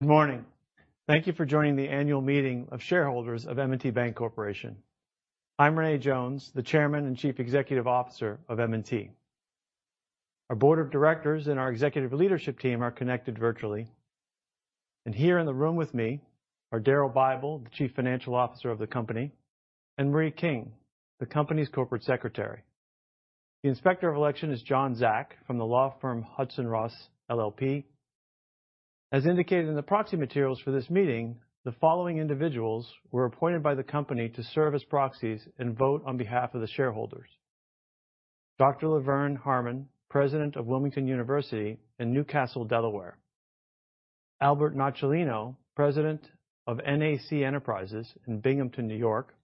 Good morning. Thank you for joining the annual meeting of shareholders of M&T Bank Corporation. I'm René Jones, the Chairman and Chief Executive Officer of M&T. Our board of directors and our executive leadership team are connected virtually, and here in the room with me are Daryl Bible, the Chief Financial Officer of the company; and Marie King, the company's corporate secretary. The Inspector of Election is John J. Zak from the law firm Hodgson Russ LLP. As indicated in the proxy materials for this meeting, the following individuals were appointed by the company to serve as proxies and vote on behalf of the shareholders. Dr. LaVerne Harmon, President of Wilmington University in New Castle, Delaware; Albert Nocciolino, President of NAC Enterprises in Binghamton, New York;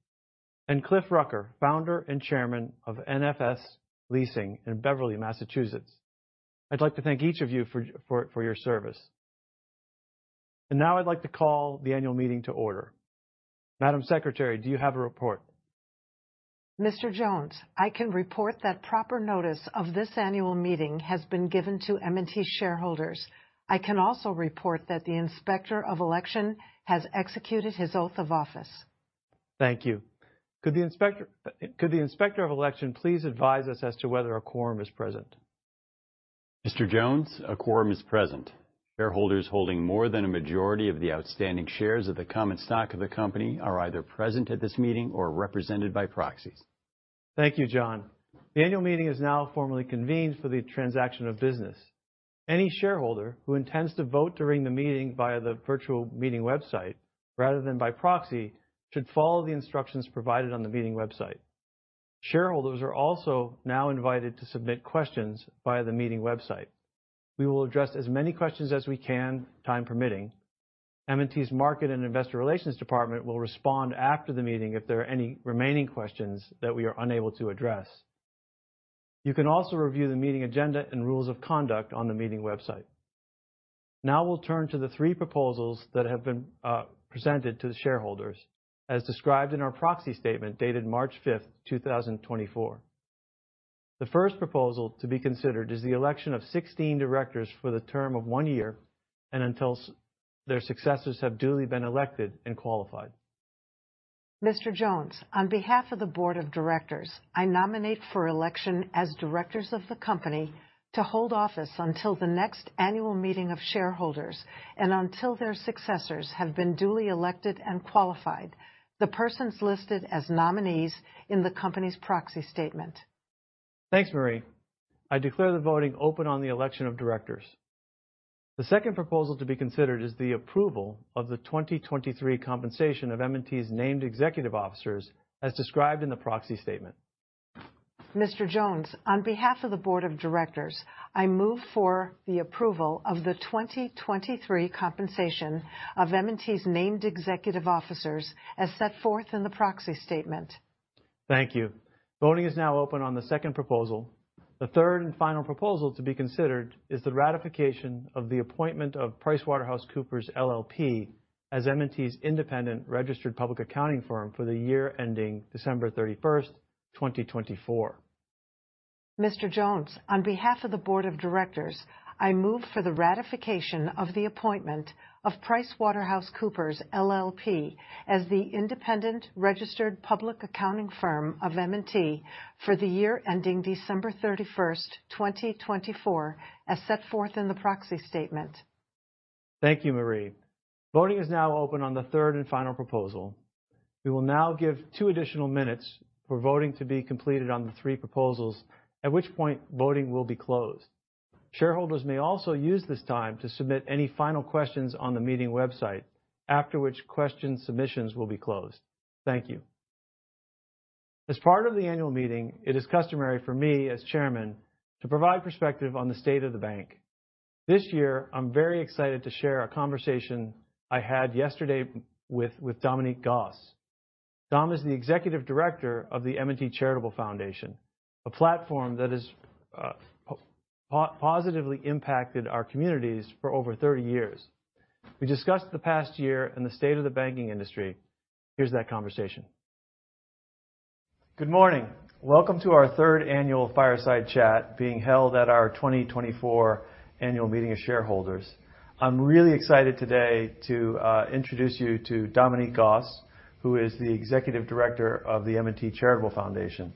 and Cliff Rucker, founder, and chairman of NFS Leasing in Beverly, Massachusetts. I'd like to thank each of you for your service. Now I'd like to call the annual meeting to order. Madam Secretary, do you have a report? Mr. Jones, I can report that proper notice of this annual meeting has been given to M&T shareholders. I can also report that the Inspector of Election has executed his oath of office. Thank you. Could the Inspector of Election please advise us as to whether a quorum is present? Mr. Jones, a quorum is present. Shareholders holding more than a majority of the outstanding shares of the common stock of the company are either present at this meeting or represented by proxies. Thank you, John. The annual meeting is now formally convened for the transaction of business. Any shareholder who intends to vote during the meeting via the virtual meeting website, rather than by proxy, should follow the instructions provided on the meeting website. Shareholders are also now invited to submit questions via the meeting website. We will address as many questions as we can, time permitting. M&T's Market and Investor Relations Department will respond after the meeting if there are any remaining questions that we are unable to address. You can also review the meeting agenda and rules of conduct on the meeting website. Now we'll turn to the three proposals that have been presented to the shareholders, as described in our proxy statement, dated March 5th, 2024. The first proposal to be considered is the election of 16 directors for the term of one year, and until their successors have duly been elected and qualified. Mr. Jones, on behalf of the board of directors, I nominate for election as directors of the company to hold office until the next annual meeting of shareholders and until their successors have been duly elected and qualified, the persons listed as nominees in the company's proxy statement. Thanks, Marie. I declare the voting open on the election of directors. The second proposal to be considered is the approval of the 2023 compensation of M&T's named executive officers, as described in the proxy statement. Mr. Jones, on behalf of the Board of Directors, I move for the approval of the 2023 compensation of M&T's named executive officers, as set forth in the proxy statement. Thank you. Voting is now open on the second proposal. The third and final proposal to be considered is the ratification of the appointment of PricewaterhouseCoopers LLP as M&T's independent registered public accounting firm for the year ending December 31st, 2024. Mr. Jones, on behalf of the board of directors, I move for the ratification of the appointment of PricewaterhouseCoopers LLP as the independent registered public accounting firm of M&T for the year ending December 31, 2024, as set forth in the proxy statement. Thank you, Marie. Voting is now open on the third and final proposal. We will now give two additional minutes for voting to be completed on the three proposals, at which point voting will be closed. Shareholders may also use this time to submit any final questions on the meeting website, after which question submissions will be closed. Thank you. As part of the annual meeting, it is customary for me, as chairman, to provide perspective on the state of the bank. This year, I'm very excited to share a conversation I had yesterday with Dominique Goss. Dom is the executive director of the M&T Charitable Foundation, a platform that has positively impacted our communities for over 30 years. We discussed the past year and the state of the banking industry. Here's that conversation. Good morning. Welcome to our third annual Fireside Chat, being held at our 2024 annual meeting of shareholders. I'm really excited today to introduce you to Dominique Goss, who is the executive director of the M&T Charitable Foundation.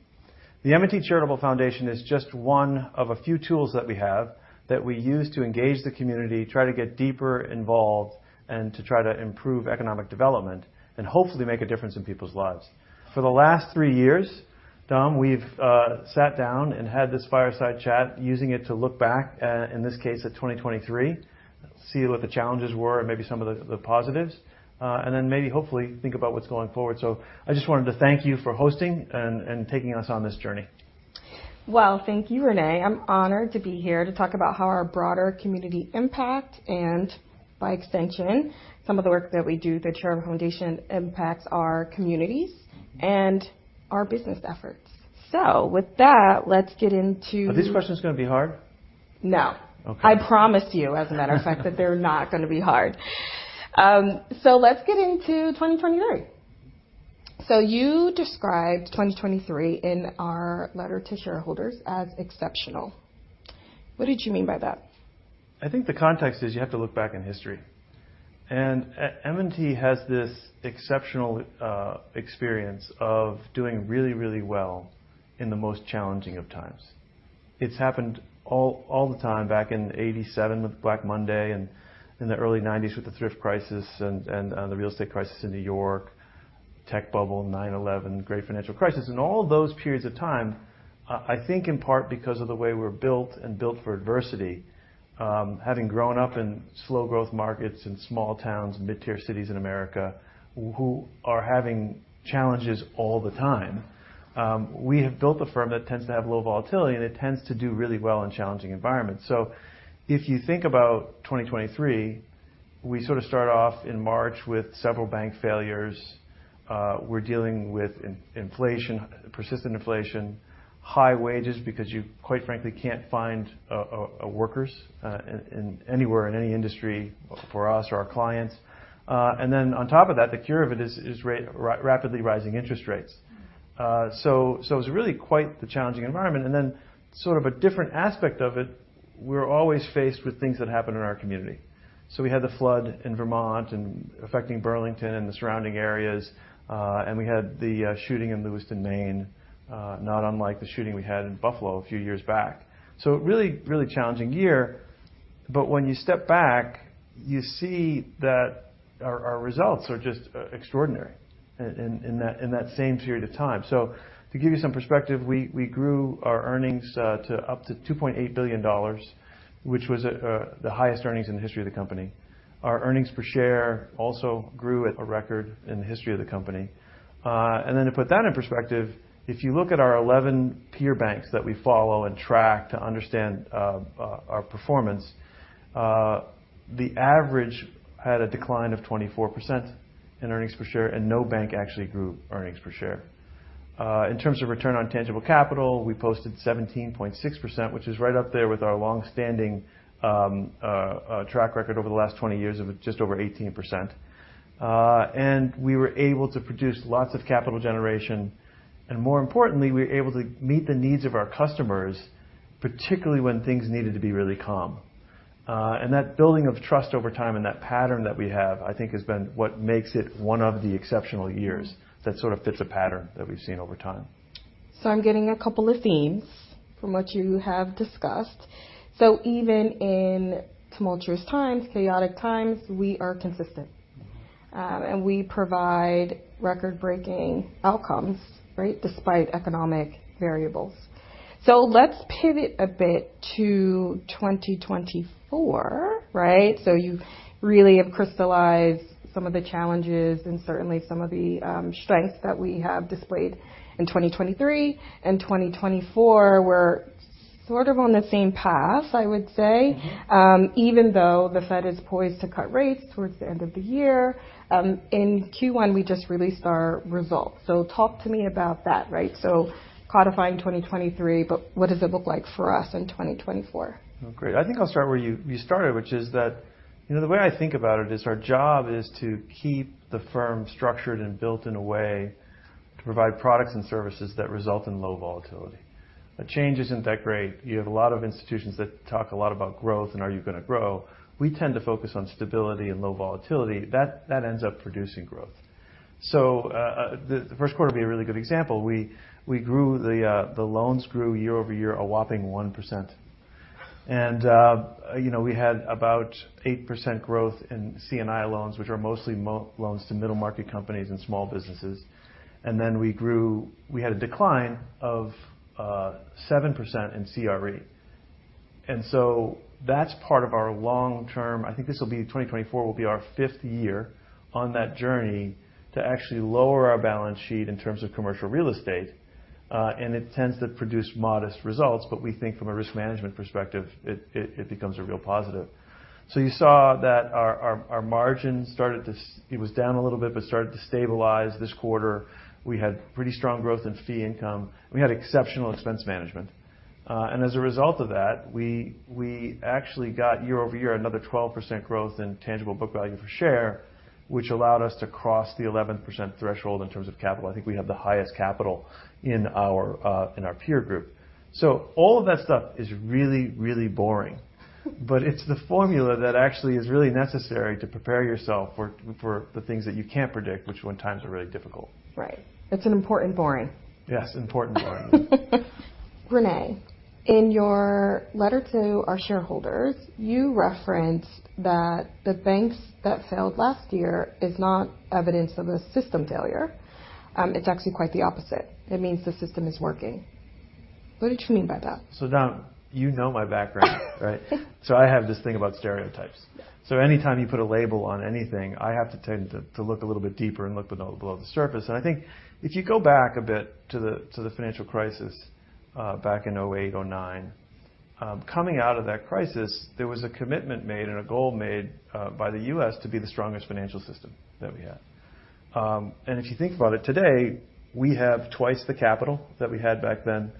The M&T Charitable Foundation is just one of a few tools that we have that we use to engage the community, try to get deeper involved, and to try to improve economic development, and hopefully make a difference in people's lives. For the last three years, Dom, we've sat down and had this Fireside Chat, using it to look back at, in this case, at 2023, see what the challenges were and maybe some of the, the positives, and then maybe hopefully think about what's going forward. So I just wanted to thank you for hosting and taking us on this journey. Well, thank you, René. I'm honored to be here to talk about how our broader community impact and by extension, some of the work that we do, the Charitable Foundation, impacts our communities- Mm-hmm. and our business efforts. So with that, let's get into Are these questions going to be hard? No. Okay. I promise you, as a matter of fact, that they're not going to be hard. So let's get into 2023.... So you described 2023 in our letter to shareholders as exceptional. What did you mean by that? I think the context is you have to look back in history, and, M&T has this exceptional, experience of doing really, really well in the most challenging of times. It's happened all, all the time, back in 1987 with Black Monday and in the early 1990s with the thrift crisis and, and, the real estate crisis in New York, tech bubble, 9/11, great financial crisis. In all of those periods of time, I think in part because of the way we're built and built for adversity, having grown up in slow growth markets in small towns and midtier cities in America, who are having challenges all the time, we have built a firm that tends to have low volatility, and it tends to do really well in challenging environments. So if you think about 2023, we sort of start off in March with several bank failures. We're dealing with inflation, persistent inflation, high wages, because you, quite frankly, can't find workers in anywhere, in any industry for us or our clients. And then on top of that, the cure of it is rapidly rising interest rates. So it's really quite the challenging environment, and then sort of a different aspect of it, we're always faced with things that happen in our community. So we had the flood in Vermont and affecting Burlington and the surrounding areas, and we had the shooting in Lewiston, Maine, not unlike the shooting we had in Buffalo a few years back. So really, really challenging year. But when you step back, you see that our results are just extraordinary in that same period of time. So to give you some perspective, we grew our earnings to up to $2.8 billion, which was the highest earnings in the history of the company. Our earnings per share also grew at a record in the history of the company. And then to put that in perspective, if you look at our 11 peer banks that we follow and track to understand our performance, the average had a decline of 24% in earnings per share, and no bank actually grew earnings per share. In terms of return on tangible capital, we posted 17.6%, which is right up there with our long-standing track record over the last 20 years of just over 18%. We were able to produce lots of capital generation, and more importantly, we were able to meet the needs of our customers, particularly when things needed to be really calm. That building of trust over time and that pattern that we have, I think, has been what makes it one of the exceptional years that sort of fits a pattern that we've seen over time. So I'm getting a couple of themes from what you have discussed. So even in tumultuous times, chaotic times, we are consistent. And we provide record-breaking outcomes, right? Despite economic variables. So let's pivot a bit to 2024, right? So you really have crystallized some of the challenges and certainly some of the strengths that we have displayed in 2023. In 2024, we're sort of on the same path, I would say. Mm-hmm. Even though the Fed is poised to cut rates towards the end of the year, in Q1, we just released our results. So talk to me about that, right? So codifying 2023, but what does it look like for us in 2024? Oh, great. I think I'll start where you started, which is that, you know, the way I think about it is our job is to keep the firm structured and built in a way to provide products and services that result in low volatility. A change isn't that great. You have a lot of institutions that talk a lot about growth, and are you gonna grow? We tend to focus on stability and low volatility. That ends up producing growth. So, the first quarter will be a really good example. We grew the loans year-over-year, a whopping 1%. And, you know, we had about 8% growth in C&I loans, which are mostly loans to middle-market companies and small businesses. And then we had a decline of 7% in CRE. And so that's part of our long term. I think this will be—2024 will be our fifth year on that journey to actually lower our balance sheet in terms of commercial real estate, and it tends to produce modest results, but we think from a risk management perspective, it becomes a real positive. So you saw that our margins started to stabilize this quarter. We had pretty strong growth in fee income. We had exceptional expense management. And as a result of that, we actually got year-over-year, another 12% growth in tangible book value per share, which allowed us to cross the 11% threshold in terms of capital. I think we have the highest capital in our peer group. All of that stuff is really, really boring. But it's the formula that actually is really necessary to prepare yourself for, for the things that you can't predict, which when times are really difficult. Right. It's an important boring. Yes, important boring. René, in your letter to our shareholders, you referenced that the banks that failed last year is not evidence of a system failure. It's actually quite the opposite. It means the system is working. What did you mean by that? So, Dom, you know my background, right? So I have this thing about stereotypes. Yeah. So anytime you put a label on anything, I have to tend to look a little bit deeper and look below the surface. And I think if you go back a bit to the financial crisis back in 2008, 2009, coming out of that crisis, there was a commitment made and a goal made by the U.S. to be the strongest financial system that we had. And if you think about it today. We have twice the capital that we had back then.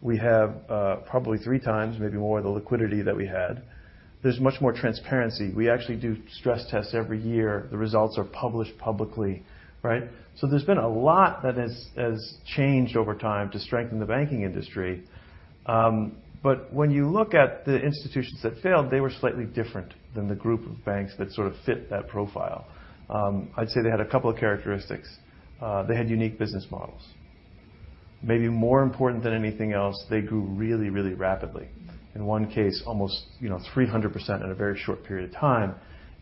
We have probably three times, maybe more, the liquidity that we had. There's much more transparency. We actually do stress tests every year. The results are published publicly, right? So there's been a lot that has changed over time to strengthen the banking industry. But when you look at the institutions that failed, they were slightly different than the group of banks that sort of fit that profile. I'd say they had a couple of characteristics. They had unique business models. Maybe more important than anything else, they grew really, really rapidly. In one case, almost, you know, 300% in a very short period of time.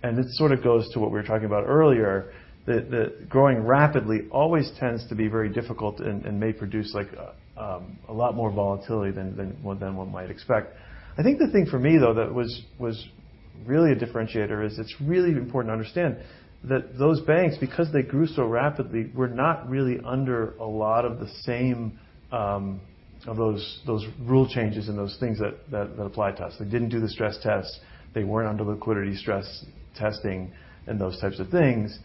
And this sort of goes to what we were talking about earlier, that growing rapidly always tends to be very difficult and may produce, like, a lot more volatility than one might expect. I think the thing for me, though, that was really a differentiator, is it's really important to understand that those banks, because they grew so rapidly, were not really under a lot of the same of those rule changes and those things that applied to us. They didn't do the stress tests, they weren't under liquidity stress testing and those types of things,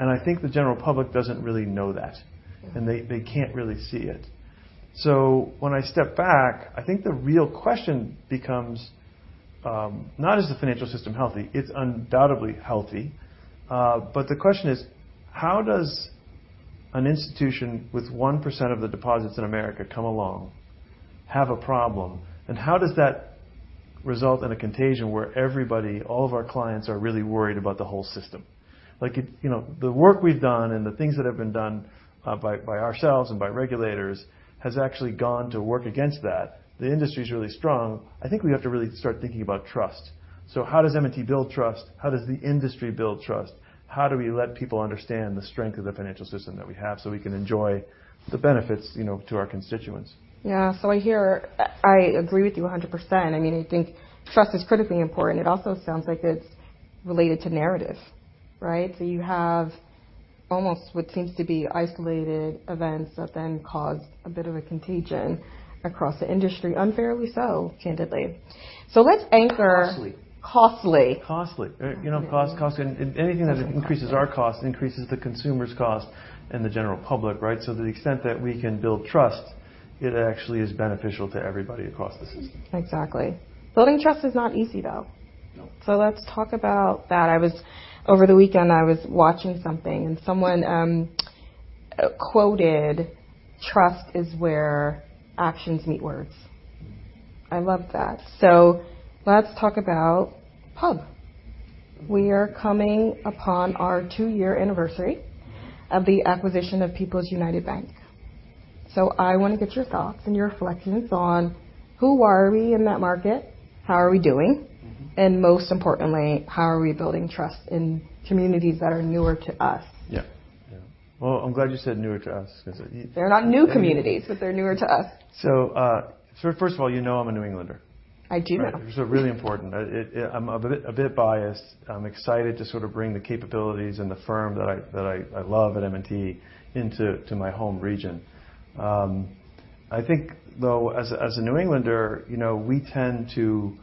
and I think the general public doesn't really know that, and they can't really see it. So when I step back, I think the real question becomes not is the financial system healthy? It's undoubtedly healthy. But the question is: how does an institution with 1% of the deposits in America come along, have a problem, and how does that result in a contagion where everybody, all of our clients, are really worried about the whole system? Like it. You know, the work we've done and the things that have been done by ourselves and by regulators has actually gone to work against that. The industry's really strong. I think we have to really start thinking about trust. So how does M&T build trust? How does the industry build trust? How do we let people understand the strength of the financial system that we have, so we can enjoy the benefits, you know, to our constituents? Yeah. So I hear... I agree with you 100%. I mean, I think trust is critically important. It also sounds like it's related to narrative, right? So you have almost what seems to be isolated events that then caused a bit of a contagion across the industry, unfairly so, candidly. So let's anchor- Costly. Costly. Costly. You know, cost, cost, and anything that increases our cost increases the consumer's cost and the general public, right? So to the extent that we can build trust, it actually is beneficial to everybody across the system. Exactly. Building trust is not easy, though. No. So let's talk about that. Over the weekend, I was watching something, and someone quoted, "Trust is where actions meet words." I loved that. So let's talk about PUB. We are coming upon our two-year anniversary of the acquisition of People's United Bank. So I want to get your thoughts and your reflections on who are we in that market? How are we doing? Mm-hmm. Most importantly, how are we building trust in communities that are newer to us? Yeah. Yeah. Well, I'm glad you said newer to us, because- They're not new communities, but they're newer to us. So, first of all, you know I'm a New Englander. I do know. So really important. I'm a bit biased. I'm excited to sort of bring the capabilities and the firm that I love at M&T into my home region. I think, though, as a New Englander, you know, we tend to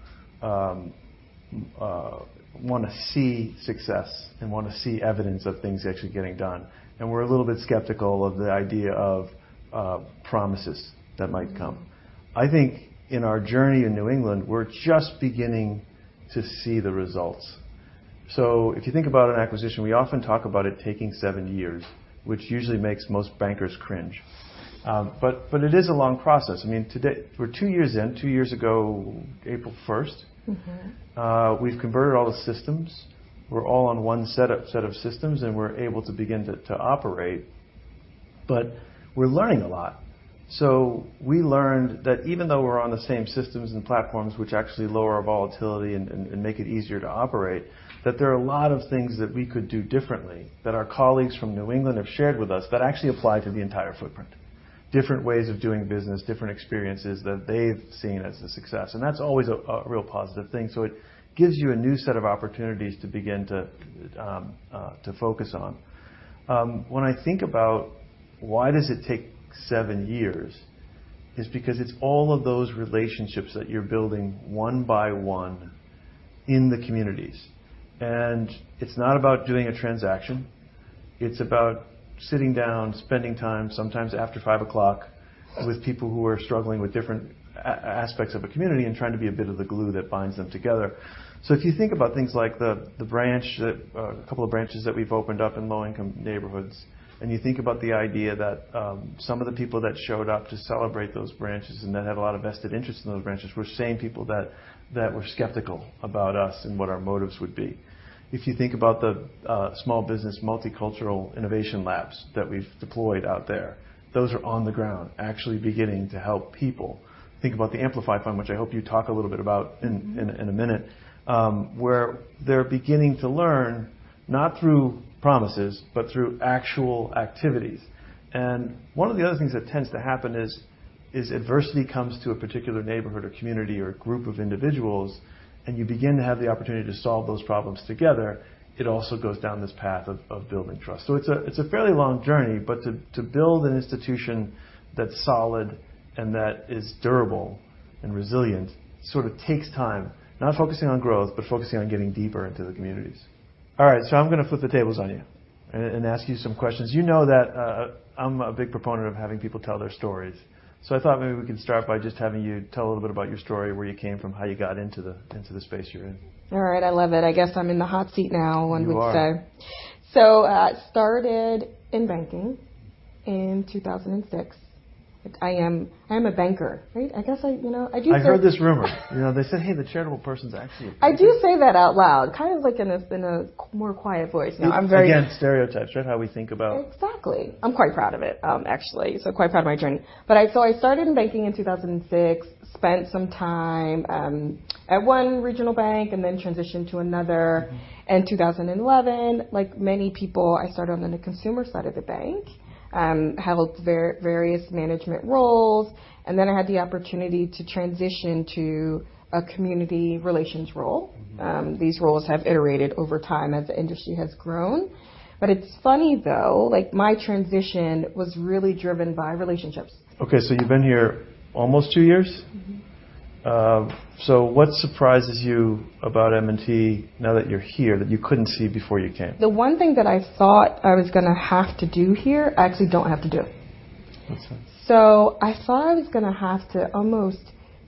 want to see success and want to see evidence of things actually getting done, and we're a little bit skeptical of the idea of promises that might come. I think in our journey in New England, we're just beginning to see the results. So if you think about an acquisition, we often talk about it taking seven years, which usually makes most bankers cringe. But it is a long process. I mean, today, we're two years in. Two years ago, April first. Mm-hmm. We've converted all the systems. We're all on one setup, set of systems, and we're able to begin to operate, but we're learning a lot. So we learned that even though we're on the same systems and platforms, which actually lower our volatility and make it easier to operate, that there are a lot of things that we could do differently, that our colleagues from New England have shared with us that actually apply to the entire footprint. Different ways of doing business, different experiences that they've seen as a success, and that's always a real positive thing. So it gives you a new set of opportunities to begin to focus on. When I think about why does it take seven years, is because it's all of those relationships that you're building one by one in the communities. It's not about doing a transaction. It's about sitting down, spending time, sometimes after 5:00, with people who are struggling with different aspects of a community and trying to be a bit of the glue that binds them together. So if you think about things like a couple of branches that we've opened up in low-income neighborhoods, and you think about the idea that some of the people that showed up to celebrate those branches and that have a lot of vested interest in those branches were same people that were skeptical about us and what our motives would be. If you think about the small business multicultural innovation labs that we've deployed out there, those are on the ground, actually beginning to help people. Think about The Amplify Fund, which I hope you talk a little bit about in- Mm-hmm... in a minute, where they're beginning to learn, not through promises, but through actual activities. And one of the other things that tends to happen is adversity comes to a particular neighborhood or community or group of individuals, and you begin to have the opportunity to solve those problems together. It also goes down this path of building trust. So it's a fairly long journey, but to build an institution that's solid and that is durable and resilient, sort of takes time. Not focusing on growth, but focusing on getting deeper into the communities.... All right, so I'm going to flip the tables on you and ask you some questions. You know that, I'm a big proponent of having people tell their stories, so I thought maybe we could start by just having you tell a little bit about your story, where you came from, how you got into the space you're in. All right. I love it. I guess I'm in the hot seat now, one week so. You are. So, I started in banking in 2006. I am, I am a banker, right? I guess I, you know, I do- I heard this rumor. You know, they said, "Hey, the charitable person's actually a banker. I do say that out loud, kind of like in a, in a more quiet voice. No, I'm very- Again, stereotypes, right? How we think about- Exactly. I'm quite proud of it, actually, so quite proud of my journey. But I... So I started in banking in 2006, spent some time at one regional bank and then transitioned to another. In 2011, like many people, I started on the consumer side of the bank, held various management roles, and then I had the opportunity to transition to a community relations role. Mm-hmm. These roles have iterated over time as the industry has grown. But it's funny, though, like, my transition was really driven by relationships. Okay, so you've been here almost two years? Mm-hmm. What surprises you about M&T now that you're here, that you couldn't see before you came? The one thing that I thought I was going to have to do here, I actually don't have to do it. That's it. So I thought I was going to have to almost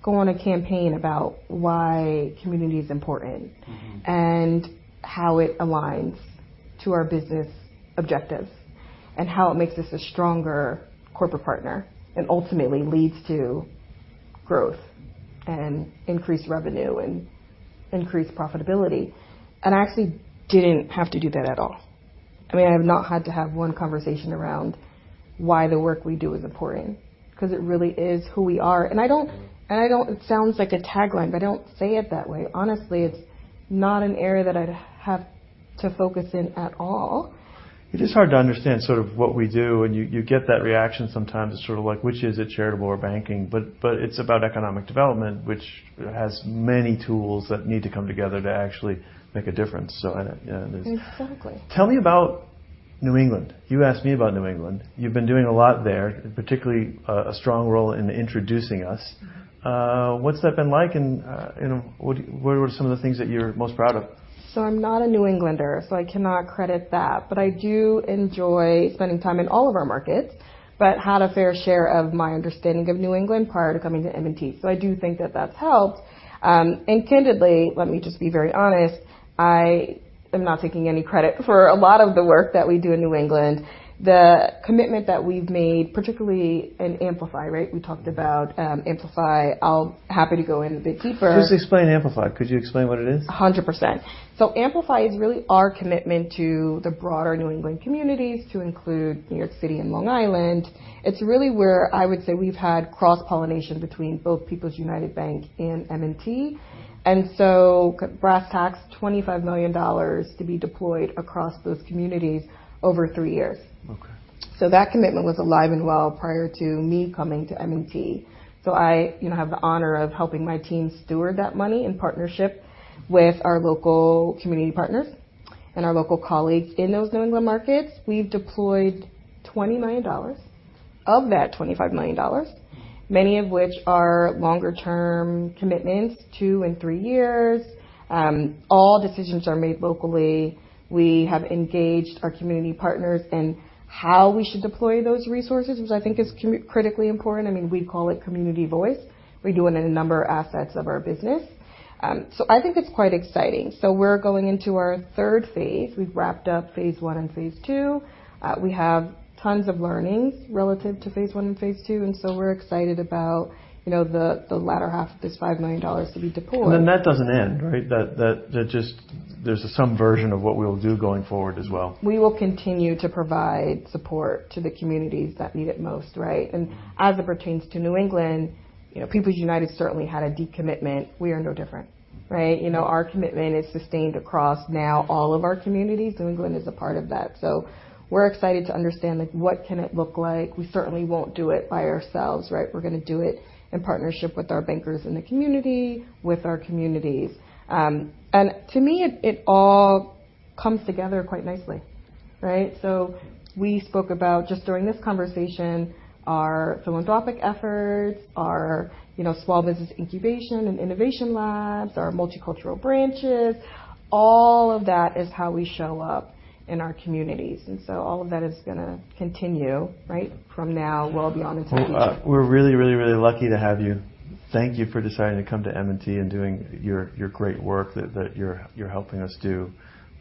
go on a campaign about why community is important- Mm-hmm. and how it aligns to our business objectives, and how it makes us a stronger corporate partner, and ultimately leads to growth and increased revenue and increased profitability. And I actually didn't have to do that at all. I mean, I have not had to have one conversation around why the work we do is important, because it really is who we are. And I don't, and I don't... It sounds like a tagline, but I don't say it that way. Honestly, it's not an area that I'd have to focus in at all. It is hard to understand sort of what we do, and you get that reaction sometimes. It's sort of like, which is it, charitable or banking? But it's about economic development, which has many tools that need to come together to actually make a difference. So, yeah, there's- Exactly. Tell me about New England. You asked me about New England. You've been doing a lot there, particularly, a strong role in introducing us. Mm-hmm. What's that been like, and what are some of the things that you're most proud of? So I'm not a New Englander, so I cannot credit that, but I do enjoy spending time in all of our markets. But had a fair share of my understanding of New England prior to coming to M&T, so I do think that that's helped. And candidly, let me just be very honest, I am not taking any credit for a lot of the work that we do in New England. The commitment that we've made, particularly in Amplify, right? We talked about Amplify. I'm happy to go in a bit deeper. Just explain Amplify. Could you explain what it is? 100%. So Amplify is really our commitment to the broader New England communities, to include New York City and Long Island. It's really where I would say we've had cross-pollination between both People's United Bank and M&T. And so brass tacks, $25 million to be deployed across those communities over three years. Okay. So that commitment was alive and well prior to me coming to M&T. So I, you know, have the honor of helping my team steward that money in partnership with our local community partners and our local colleagues in those New England markets. We've deployed $20 million of that $25 million, many of which are longer term commitments, two and three years. All decisions are made locally. We have engaged our community partners in how we should deploy those resources, which I think is critically important. I mean, we call it community voice. We do it in a number of aspects of our business. I think it's quite exciting. So we're going into our third phase. We've wrapped up phase I and phase II. We have tons of learnings relative to phase I and phase II, and so we're excited about, you know, the latter half of this $5 million to be deployed. That doesn't end, right? That just... There's some version of what we'll do going forward as well. We will continue to provide support to the communities that need it most, right? Mm-hmm. As it pertains to New England, you know, People's United certainly had a deep commitment. We are no different, right? You know, our commitment is sustained across now all of our communities. New England is a part of that. We're excited to understand, like, what can it look like. We certainly won't do it by ourselves, right? We're going to do it in partnership with our bankers in the community, with our communities. To me, it all comes together quite nicely, right? We spoke about, just during this conversation, our philanthropic efforts, our, you know, small business incubation and innovation labs, our multicultural branches. All of that is how we show up in our communities, and so all of that is going to continue, right, from now well beyond into the future. Well, we're really, really, really lucky to have you. Thank you for deciding to come to M&T and doing your great work that you're helping us do.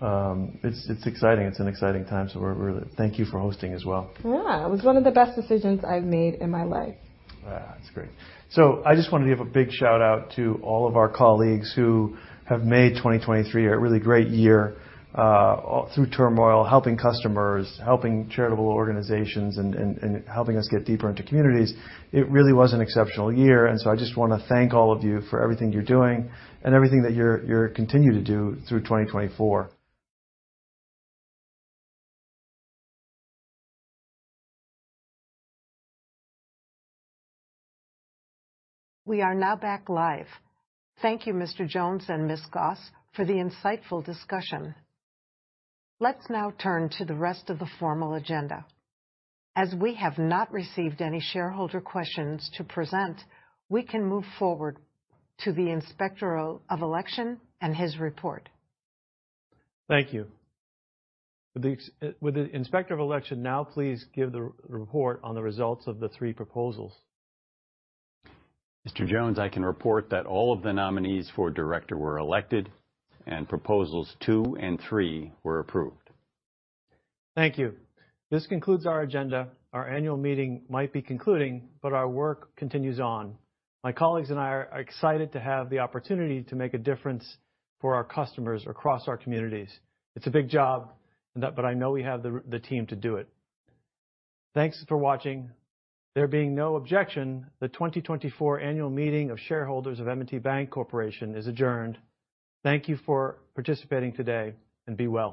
It's exciting. It's an exciting time, so we're really... Thank you for hosting as well. Yeah. It was one of the best decisions I've made in my life. Ah, that's great. So I just want to give a big shout out to all of our colleagues who have made 2023 a really great year through turmoil, helping customers, helping charitable organizations, and helping us get deeper into communities. It really was an exceptional year, and so I just want to thank all of you for everything you're doing and everything that you're continuing to do through 2024. We are now back live. Thank you, Mr. Jones and Ms. Goss, for the insightful discussion. Let's now turn to the rest of the formal agenda. As we have not received any shareholder questions to present, we can move forward to the Inspector of Election and his report. Thank you. Would the Inspector of Election now please give the report on the results of the three proposals? Mr. René Jones, I can report that all of the nominees for director were elected, and proposals two and three were approved. Thank you. This concludes our agenda. Our annual meeting might be concluding, but our work continues on. My colleagues and I are excited to have the opportunity to make a difference for our customers across our communities. It's a big job, but I know we have the team to do it. Thanks for watching. There being no objection, the 2024 annual meeting of shareholders of M&T Bank Corporation is adjourned. Thank you for participating today, and be well.